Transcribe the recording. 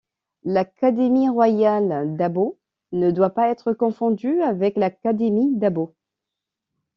L'Académie royale d'Åbo ne doit pas être confondue avec l'Académie d'Åbo.